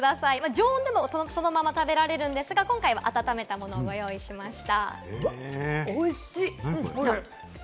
常温でもそのまま食べられるんですが、今回は温めたものをご用意しました。